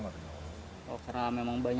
karena memang banyak